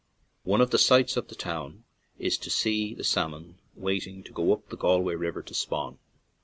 One of the sights of the town is to see the salmon waiting to go up the Galway River to spawn.